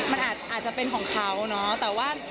มันอาจจะเป็นของเขาเนอะ